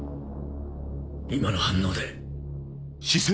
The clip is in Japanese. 今の反応で。